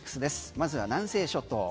まずは南西諸島。